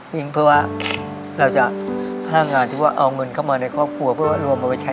วิ่งเพื่อว่าเราจะพลังงานที่ว่าเอาเงินเข้ามาในครอบครัวเพื่อรวมเอาไว้ใช้